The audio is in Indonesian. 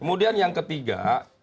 kemudian yang ketiga